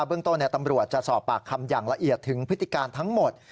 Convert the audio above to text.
เรื่องต้นตำรวจจะสอบปากคำอย่างละเอียดถึงพฤติการทั้งหมด